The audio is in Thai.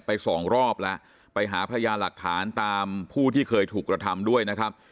สองรอบแล้วไปหาพยานหลักฐานตามผู้ที่เคยถูกกระทำด้วยนะครับ